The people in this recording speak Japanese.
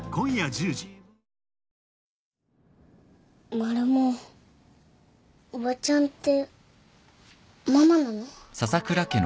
マルモおばちゃんってママなの？